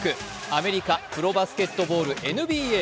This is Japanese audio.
アメリカ・プロバスケットボールＮＢＡ。